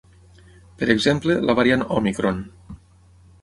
Per exemple, la variant òmicron.